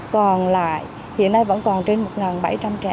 còn lại hiện nay vẫn còn trên một bảy trăm linh trẻ